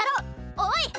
おい！